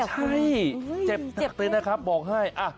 ใช่เจ็บหนักเลยนะครับบอกให้